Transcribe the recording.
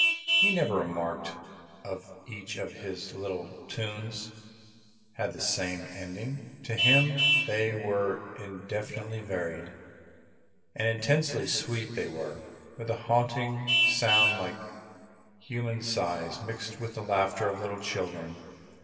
He never remarked that each of his little tunes had the same ending; to him they were infinitely varied. And intensely sweet they were, with a haunting sound like human sighs mixed with the laughter of little children.